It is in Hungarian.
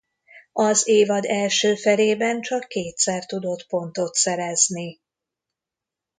Az évad első felében csak kétszer tudott pontot szerezni.